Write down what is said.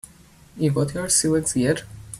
You got your sea legs yet?